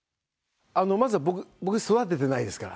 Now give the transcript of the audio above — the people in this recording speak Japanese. まずは、僕は育ててないですから。